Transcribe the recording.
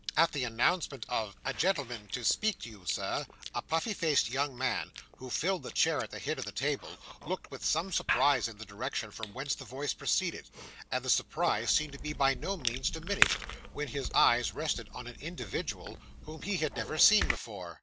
At the announcement of 'A gentleman to speak to you, Sir,' a puffy faced young man, who filled the chair at the head of the table, looked with some surprise in the direction from whence the voice proceeded; and the surprise seemed to be by no means diminished, when his eyes rested on an individual whom he had never seen before.